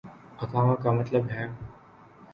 اقامہ کا مطلب ہے۔